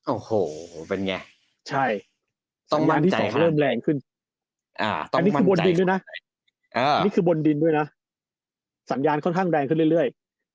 โอ้โหเป็นไงต้องมั่นใจครับสัญญาณที่สองเริ่มแรงขึ้นอันนี้คือบนดินด้วยนะสัญญาณค่อนข้างแรงขึ้นเรื่อย